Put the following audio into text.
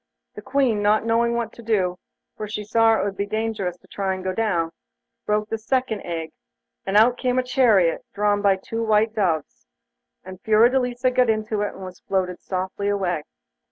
The Queen, not knowing what to do, for she saw it would be dangerous to try to go down, broke the second egg, and out came a chariot, drawn by two white doves, and Fiordelisa got into it, and was floated softly away.